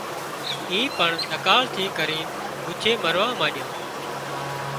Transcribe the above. اي پڻ ۮڪاۯ ٿي ڪرينَ ڀُوڇي مروا مانڏيا